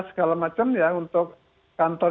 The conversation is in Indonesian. segala macam ya untuk kantor